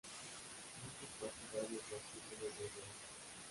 Muchos partidarios los acusan de traidores.